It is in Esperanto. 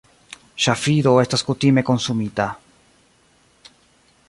Ŝafido estas kutime konsumita.